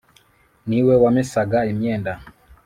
ni we wamesaga imyenda